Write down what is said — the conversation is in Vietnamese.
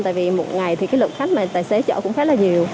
tại vì một ngày thì cái lượng khách mà tài xế chở cũng khá là nhiều